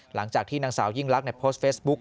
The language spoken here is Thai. หลังจากที่นางสาวยิ่งลักษณ์โพสต์เฟซบุ๊ค